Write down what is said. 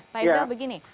pak ifdal begini